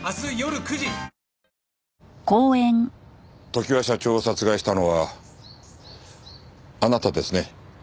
常盤社長を殺害したのはあなたですね？